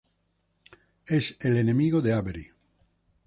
Es el enemigo de Avery.